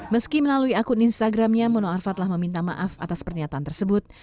meski melalui akun instagramnya mono arfa telah meminta maaf atas pernyataan tersebut